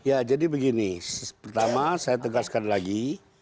ya jadi begini pertama saya tegaskan lagi